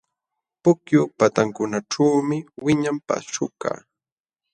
Pukyu patankunaćhuumi wiñan paśhukaq.